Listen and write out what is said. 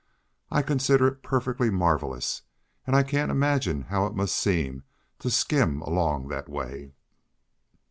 "I consider it perfectly marvelous, and I can't imagine how it must seem to skim along that way."